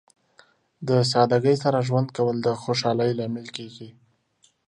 د سادګۍ سره ژوند کول د خوشحالۍ لامل کیږي.